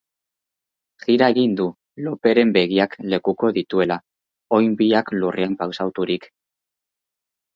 Jira egin du, Loperen begiak lekuko dituela, oin biak lurrean pausaturik.